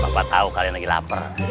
bapak tahu kalian lagi lapar